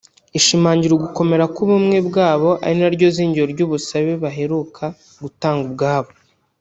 ishimangira ugukomera k’ubumwe bwabo ari na ryo zingiro ry’ubusabe baheruka gutanga ubwabo